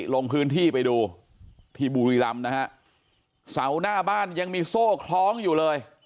ลงพื้นที่ไปดูที่บุรีรำนะฮะเสาหน้าบ้านยังมีโซ่คล้องอยู่เลย